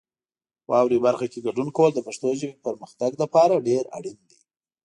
واورئ برخه کې ګډون کول د پښتو ژبې د پرمختګ لپاره ډېر اړین دی.